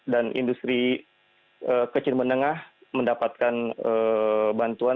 dan industri kecil menengah mendapatkan bantuan